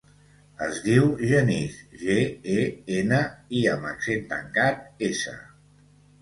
Es diu Genís: ge, e, ena, i amb accent tancat, essa.